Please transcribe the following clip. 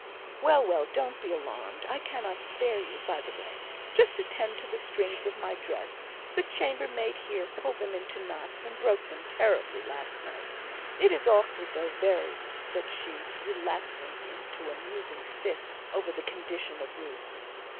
"Well, well! don't be alarmed; I cannot spare you; by the way, just attend to the strings on my dress; the chambermaid here pulled them into knots, and broke them terribly, last night. It is awkward though, very," said she, relapsing into a musing fit over the condition of Ruth.